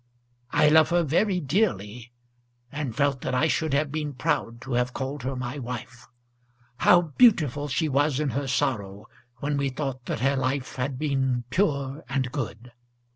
I loved her very dearly, and felt that I should have been proud to have called her my wife. How beautiful she was in her sorrow, when we thought that her life had been pure and good!"